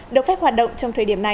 được phép hoạt động trong thời điểm này